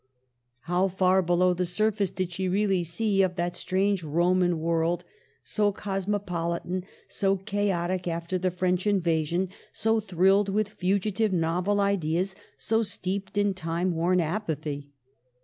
How far below the surface did she really see of that strange Roman world, so cosmopolitan, so chaotic after the French invasion, so thrilled with fugitive novel ideas, so steeped in time worn apathy